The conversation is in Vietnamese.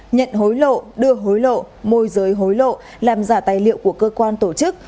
nhận hối lộ đưa hối lộ môi giới hối lộ làm giả tài liệu của cơ quan tổ chức